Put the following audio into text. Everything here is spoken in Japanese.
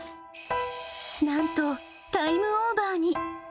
なんとタイムオーバーに。